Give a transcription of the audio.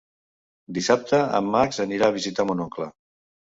Dissabte en Max anirà a visitar mon oncle.